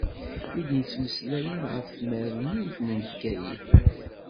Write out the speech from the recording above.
I d-yettmeslayen ɣef tmerniwt n Bgayet.